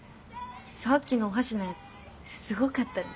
さっきのお箸のやつすごかったね。